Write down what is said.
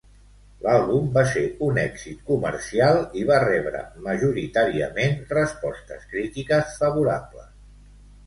L'àlbum va ser un èxit comercial i va rebre, majoritàriament, respostes crítiques favorables.